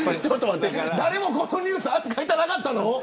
誰もこのニュース扱いたくなかったの。